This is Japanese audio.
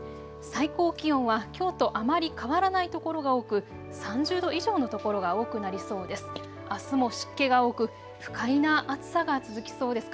最高気温はきょうとあまり変わらないところが多く３０度以上の所が多くなりそうです。